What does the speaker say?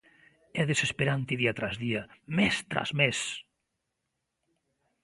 É desesperante día tras día, mes tras mes.